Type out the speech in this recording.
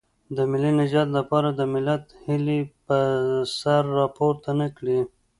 د ملي نجات لپاره د ملت هیلې به سر راپورته نه کړي.